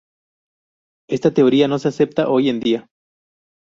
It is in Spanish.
Esta teoría no se acepta hoy en día.